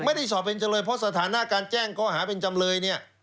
ไม่ได้สอบเป็นจำเลยเพราะสถานะการแจ้งข้อหาเป็นจำเลยเนี่ย